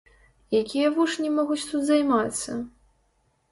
Якія вучні могуць тут займацца?